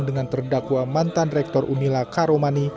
dengan terdakwa mantan rektor unila karomani